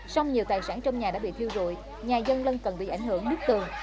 xong nhiều tài sản trong nhà đã bị thiêu rụi nhà dân lân cần bị ảnh hưởng đứt tường